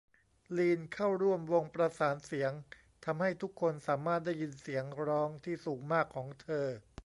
ลีนเข้าร่วมวงประสานเสียง ทำให้ทุกคนสามารถได้ยินเสียงร้องที่สูงมากของเธอ